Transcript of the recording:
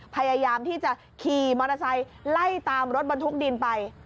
พยายามที่จะขี่มอเตอร์ไซค์ไล่ตามรถบรรทุกดินไป